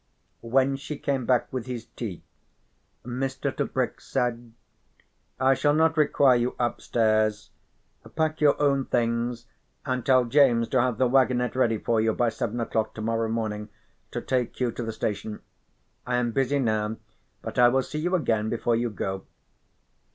When she came back with his tea, Mr. Tebrick said: "I shall not require you upstairs. Pack your own things and tell James to have the waggonette ready for you by seven o'clock to morrow morning to take you to the station. I am busy now, but I will see you again before you go."